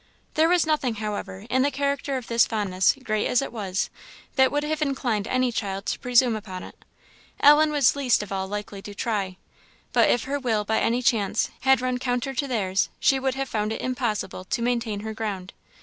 There was nothing, however, in the character of this fondness, great as it was, that would have inclined any child to presume upon it. Ellen was least of all likely to try; but if her will, by any chance, had run counter to theirs, she would have found it impossible to maintain her ground.